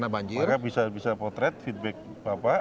maka bisa potret feedback bapak